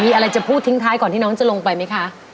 มีอะไรจะพูดทิ้งท้ายก่อนที่น้องจะลงไปไหมคะ